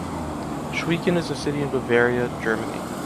Schweigen is a city in Bavaria, Germany.